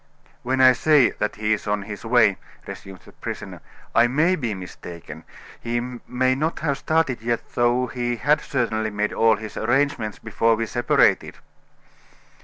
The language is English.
"When I say that he is on his way," resumed the prisoner, "I may be mistaken. He may not have started yet, though he had certainly made all his arrangements before we separated."